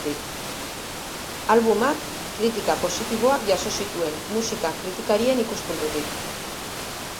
Albumak kritika positiboak jaso zituen musika kritikarien ikuspuntutik.